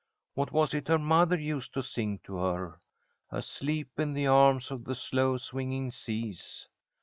What was it her mother used to sing to her? "Asleep in the arms of the slow swinging seas."